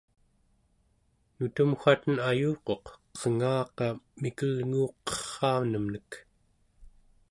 nutem waten ayuquq qengaqa mikelnguuqerraanemnek